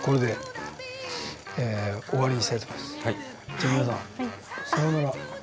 じゃあ皆さんさようなら。